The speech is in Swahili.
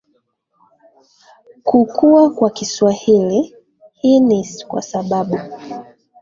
kukua kwa kiswahili Hii ni kwa sababu